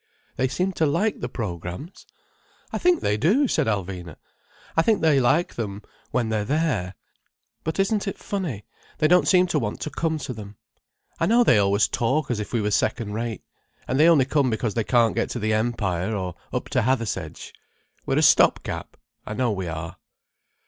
They seem to like the programs." "I think they do," said Alvina. "I think they like them when they're there. But isn't it funny, they don't seem to want to come to them. I know they always talk as if we were second rate. And they only come because they can't get to the Empire, or up to Hathersedge. We're a stop gap. I know we are."